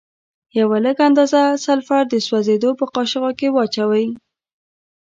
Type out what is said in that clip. یوه لږه اندازه سلفر د سوځیدو په قاشوغه کې واچوئ.